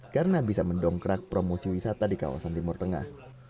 karena bisa mendongkrak promosi wisata di kawasan timur tengah